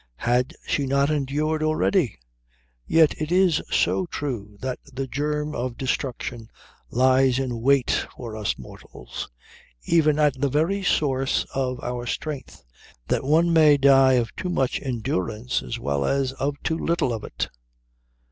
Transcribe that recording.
Had she not endured already? Yet it is so true that the germ of destruction lies in wait for us mortals, even at the very source of our strength, that one may die of too much endurance as well as of too little of it.